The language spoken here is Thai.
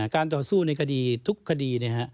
การต่อสู้ในคดีทุกคดี